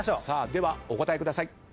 ではお答えください。